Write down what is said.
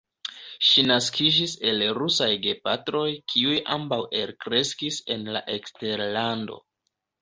Ŝi naskiĝis el rusaj gepatroj, kiuj ambaŭ elkreskis en la eksterlando.